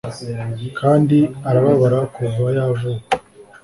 Kandi arababara kuva yavuka